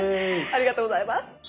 ありがとうございます。